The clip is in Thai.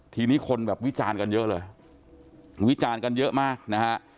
ทีนี้คนแบบวิจารณ์กันเยอะเลยวิจารณ์กันเยอะมากนะฮะ